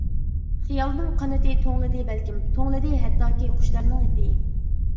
خىيالنىڭ قانىتى توڭلىدى بەلكىم، توڭلىدى ھەتتاكى قۇشلارنىڭ پېيى.